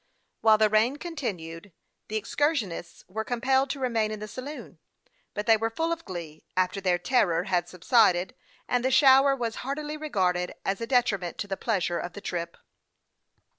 While the rain con THE YOUNG PILOT OF LAKE CHAMPLAIX. 257 tinned, the excursionists were compelled to remain in the saloon ; but they were full of glee, after their terror had subsided, and the shower was hardly regarded as a detriment to the pleasure of the trip.